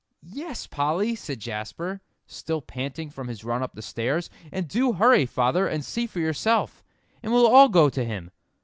"Yes, Polly," said Jasper, still panting from his run up the stairs; "and do hurry, father, and see for yourself; and we'll all go to him.